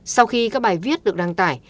sau khi các bài viết được đăng tải